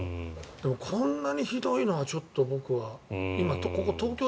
でも、こんなにひどいのはちょっと僕は。